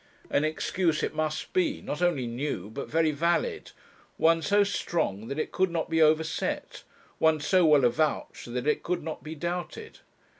An excuse it must be, not only new, but very valid; one so strong that it could not be overset; one so well avouched that it could not be doubted.